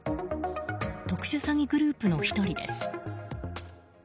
特殊詐欺グループの１人です。